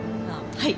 はい。